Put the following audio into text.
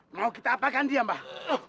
mau kita apa kan dia mbah